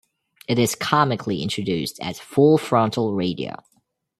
It is comically introduced as "full frontal radio".